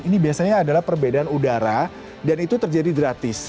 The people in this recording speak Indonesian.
ini biasanya adalah perbedaan udara dan itu terjadi gratis